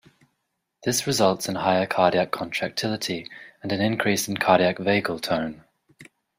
This results in higher cardiac contractility and an increase in cardiac vagal tone.